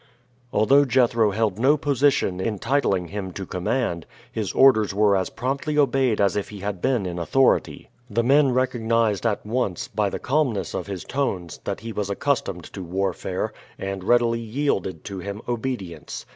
Although Jethro held no position entitling him to command, his orders were as promptly obeyed as if he had been in authority. The men recognized at once, by the calmness of his tones, that he was accustomed to warfare, and readily yielded to him obedience.